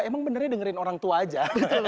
emang benernya dengerin orang tua aja